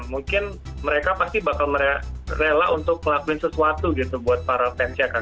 mungkin mereka pasti bakal rela untuk ngelakuin sesuatu gitu buat para fansnya kan